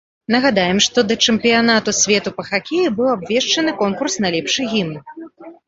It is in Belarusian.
Нагадаем, што да чэмпіянату свету па хакеі быў абвешчаны конкурс на лепшы гімн.